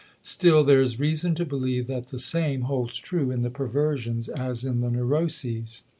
Still there is reason to believe that the same holds true in the perversions as in the neuroses.